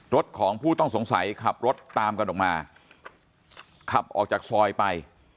รถของผู้ต้องสงสัยขับรถตามกันออกมาขับออกจากซอยไป